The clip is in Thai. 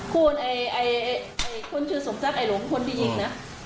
คุณชื่อสมศักดิ์ไอ้หลงคือคนที่ยิงนะ